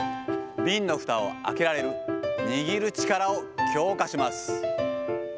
瓶のふたを開けられる、握る力を強化します。